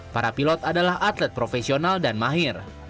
para pilot adalah atlet profesional dan mahir